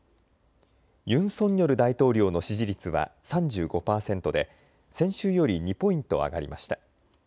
ユン・ソンニョル大統領の支持率は３５％で先週より２ポイント上がりました。